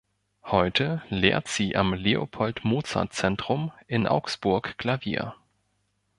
Heute lehrt sie am Leopold-Mozart-Zentrum in Augsburg Klavier.